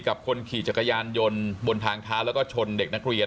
กับคนขี่จักรยานยนต์บนทางเท้าแล้วก็ชนเด็กนักเรียน